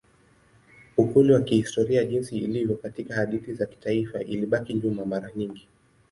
Ukweli wa kihistoria jinsi ilivyo katika hadithi za kitaifa ilibaki nyuma mara nyingi.